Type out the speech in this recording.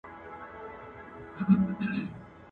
دولت به په ځنګلونو کي پانګونه وکړي.